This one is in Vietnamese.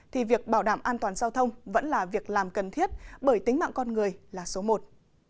thì việc bảo đảm an toàn giao thông vẫn là việc làm cần thiết bởi tính mạng con người là số một